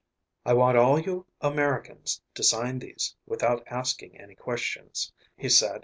"I want all you Americans to sign these without asking any questions," he said.